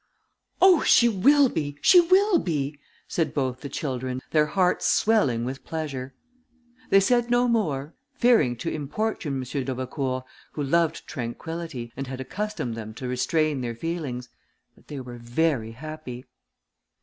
"Oh! she will be! she will be!" said both the children, their hearts swelling with pleasure. They said no more, fearing to importune M. d'Aubecourt, who loved tranquillity, and had accustomed them to restrain their feelings; but they were very happy.